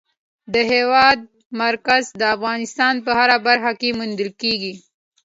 د هېواد مرکز د افغانستان په هره برخه کې موندل کېږي.